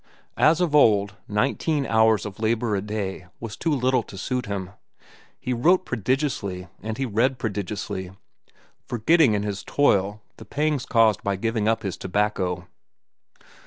As of old, nineteen hours of labor a day was all too little to suit him. He wrote prodigiously, and he read prodigiously, forgetting in his toil the pangs caused by giving up his tobacco.